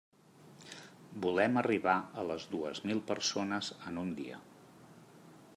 Volem arribar a les dos mil persones en un dia!